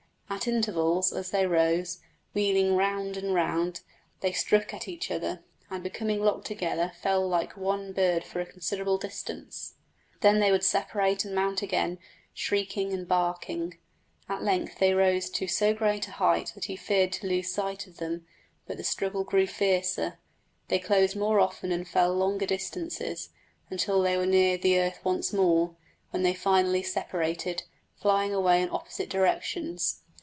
At intervals as they rose, wheeling round and round, they struck at each other, and becoming locked together fell like one bird for a considerable distance; then they would separate and mount again, shrieking and barking. At length they rose to so great a height that he feared to lose sight of them; but the struggle grew fiercer; they closed more often and fell longer distances, until they were near the earth once more, when they finally separated, flying away in opposite directions.